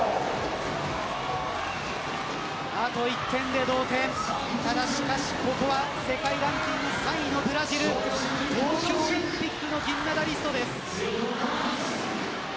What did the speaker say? あと１点で同点ただしかし、ここは世界ランキング３位のブラジル東京オリンピックの金メダリストです。